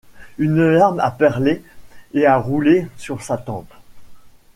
Une larme a perlé et a roulé sur sa tempe.